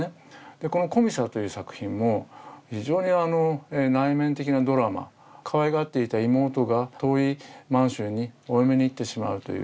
でこの「コミサ」という作品も非常に内面的なドラマかわいがっていた妹が遠い満州にお嫁に行ってしまうという。